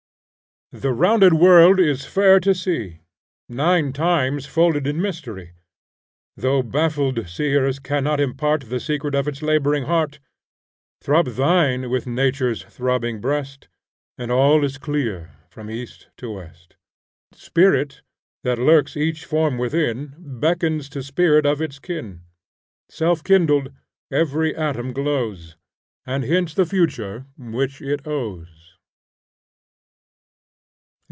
The rounded world is fair to see, Nine times folded in mystery: Though baffled seers cannot impart The secret of its laboring heart, Throb thine with Nature's throbbing breast, And all is clear from east to west. Spirit that lurks each form within Beckons to spirit of its kin; Self kindled every atom glows, And hints the future which it owes.